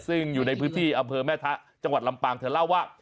ซึ่งอยู่ในพื้นที่อำเภอแม่ทะจังหวัดลำปางเธอเล่าว่า